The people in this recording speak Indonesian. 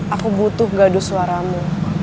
aku butuh gaduh suaramu